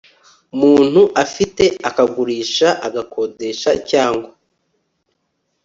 muntu afite akagurisha agakodesha cyangwa